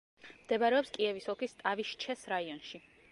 მდებარეობს კიევის ოლქის სტავიშჩეს რაიონში.